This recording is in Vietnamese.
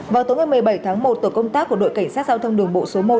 vào tối ngày một mươi bảy tháng một tổ công tác của đội cảnh sát giao thông đường bộ số một